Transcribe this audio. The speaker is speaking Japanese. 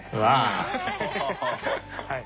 はい。